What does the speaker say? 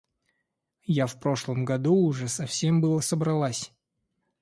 Я в прошлом году уже совсем было собралась.